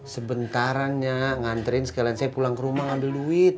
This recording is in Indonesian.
sebentarannya nganterin sekalian saya pulang ke rumah ngambil duit